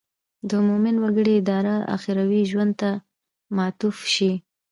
د مومن وګړي اراده اخروي ژوند ته معطوف شي.